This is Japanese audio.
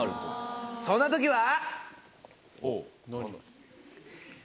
そんな時は！